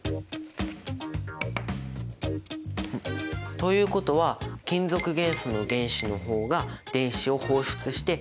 ということは金属元素の原子の方が電子を放出して「陽イオン」になる。